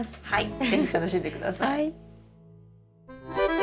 はい。